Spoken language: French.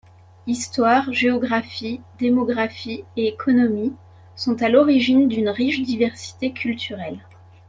Histoire, géographie, démographie et économie sont à l'origine d'une riche diversité culturelle.